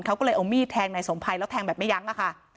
เขาก็เลยเอามีดแทงนายสมภัยแล้วแทงแบบไม่ยั้งอะค่ะ